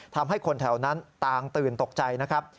ทำให้คนแถวนั้นต่างตื่นตกใจนะครับ